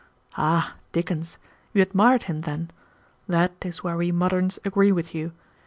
Ah, Dickens! You admired him, then! That is where we moderns agree with you.